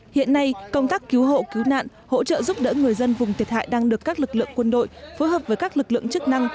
hiện nay công tác cứu hộ cứu nạn hỗ trợ giúp đỡ người dân vùng thiệt hại đang được các lực lượng quân đội phối hợp với các lực lượng chức năng